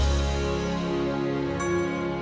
dalam cerita maaf aku pikir